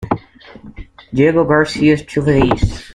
Diego Garcia is to the east.